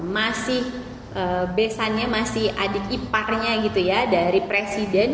masih besannya masih adik iparnya gitu ya dari presiden